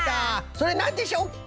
それなんでしょう？